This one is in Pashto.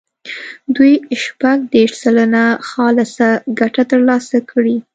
دوی شپږ دېرش سلنه خالصه ګټه ترلاسه کړي.